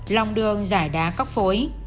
lòng đường giải đá cóc phối